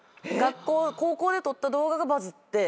高校で撮った動画がバズって。